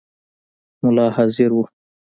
مُلا حاضر وو.